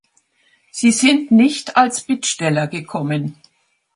Sie sind nicht als Bittsteller gekommen.